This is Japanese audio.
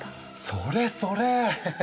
それそれ。